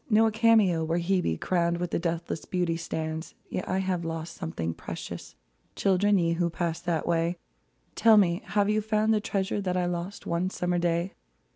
Nor a cameo where Hebe, Crowned with deathless beauty, stands. Yet have I lost something precious ; Children, ye who passed that way — Tell me, have you found the treasure That I lost one summer day